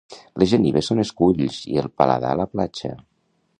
Les genives són esculls i el paladar la platja.